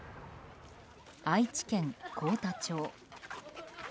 愛知県幸田町。